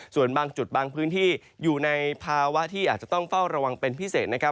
ส่วนบางจุดบางพื้นที่อยู่ในภาวะที่อาจจะต้องเฝ้าระวังเป็นพิเศษนะครับ